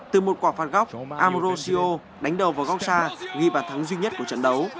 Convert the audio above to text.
từ một quả phát góc ambrosio đánh đầu vào góc xa ghi bản thắng duy nhất của trận đấu